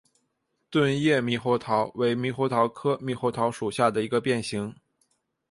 钝叶猕猴桃为猕猴桃科猕猴桃属下的一个变型。